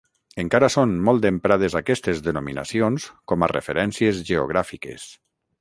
Encara són molt emprades aquestes denominacions com a referències geogràfiques.